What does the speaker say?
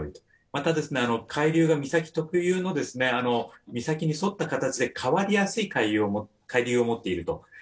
また、海流が岬特有の岬に沿った形で変わりやすい海流を持っていると。